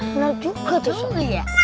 bener juga tuh sob